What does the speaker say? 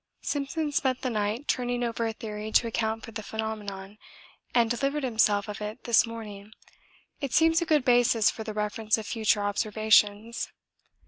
Simpson spent the night turning over a theory to account for the phenomenon, and delivered himself of it this morning. It seems a good basis for the reference of future observations.